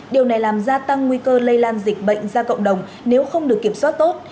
điều này làm gia tăng nguy cơ lây lan dịch bệnh ra cộng đồng nếu không được kiểm soát tốt